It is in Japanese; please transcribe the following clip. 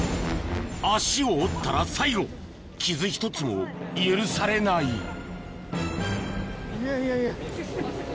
脚を折ったら最後傷１つも許されないいやいや。